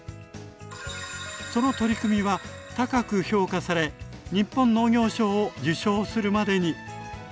その取り組みは高く評価され「日本農業賞」を受賞するまでに。